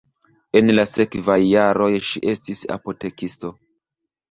En la sekvaj jaroj ŝi estis apotekisto.